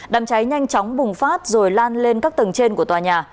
đám cháy nhanh chóng bùng phát rồi lan lên các tầng trên của tòa nhà